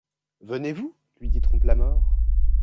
Venez-vous, lui dit Trompe-la-Mort